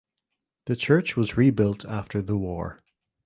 The church was rebuilt after the war.